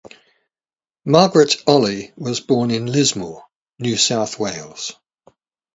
Margaret Olley was born in Lismore, New South Wales.